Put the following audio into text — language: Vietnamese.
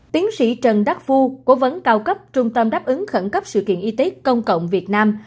tiến sĩ trần đắc phu cố vấn cao cấp trung tâm đáp ứng khẩn cấp sự kiện y tế công cộng việt nam